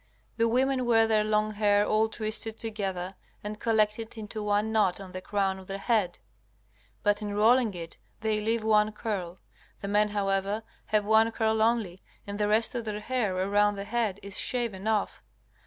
The women wear their long hair all twisted together and collected into one knot on the crown of the head, but in rolling it they leave one curl. The men, however, have one curl only and the rest of their hair around the head is shaven off.